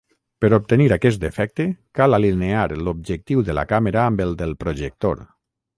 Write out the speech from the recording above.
Per obtenir aquest efecte, cal alinear l'objectiu de la càmera amb el del projector.